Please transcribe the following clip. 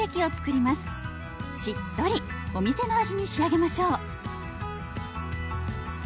しっとりお店の味に仕上げましょう。